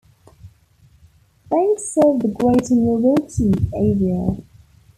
They serve the greater Milwaukee area.